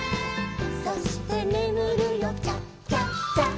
「そしてねむるよチャチャチャ」